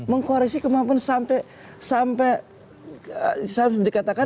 mengkoreksi incumbent sampai sampai saya harus dikatakan